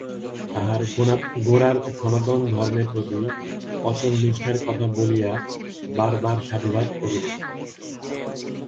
তাঁহার গোরার সনাতন ধর্মের প্রতি অচল নিষ্ঠার কথা বলিয়া বার বার সাধুবাদ করিলেন।